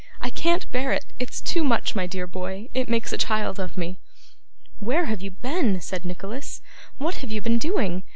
I can't bear it it's too much, my dear boy it makes a child of me!' 'Where have you been?' said Nicholas. 'What have you been doing?